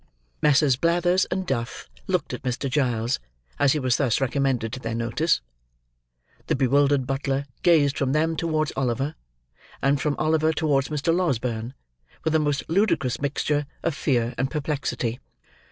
Messrs. Blathers and Duff looked at Mr. Giles, as he was thus recommended to their notice. The bewildered butler gazed from them towards Oliver, and from Oliver towards Mr. Losberne, with a most ludicrous mixture of fear and perplexity.